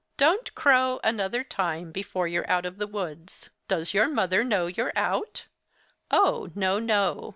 Don't crow, another time, before you're out of the woods! Does your mother know you're out? Oh, no, no!